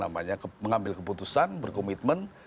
mengambil keputusan berkomitmen